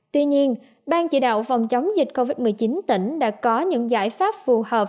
tuy nhiên ban chỉ đạo phòng chống dịch covid một mươi chín tỉnh đã có những giải pháp phù hợp